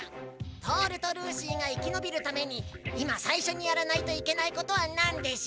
トオルとルーシーがいきのびるためにいまさいしょにやらないといけないことはなんでしょう？